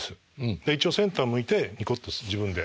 で一応センター向いてニコッとする自分で。